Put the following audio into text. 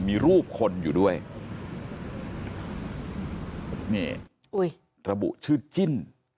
มีรูปคนอยู่ด้วยนี่อุ้ยระบุชื่อจิ้น